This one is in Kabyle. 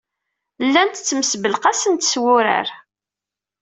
Llant ttmesbelqasent s wurar.